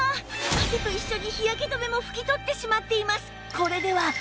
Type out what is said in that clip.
汗と一緒に日焼け止めも拭き取ってしまっています